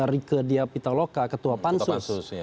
rike diapitaloka ketua pansus